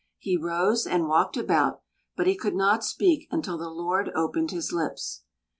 He rose and walked about, but he could not speak until the Lord opened his lips.